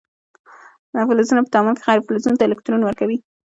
فلزونه په تعامل کې غیر فلزونو ته الکترون ورکوي.